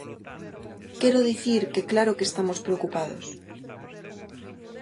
Quero dicir que claro que estamos preocupados.